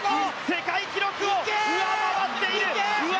世界記録を上回っている！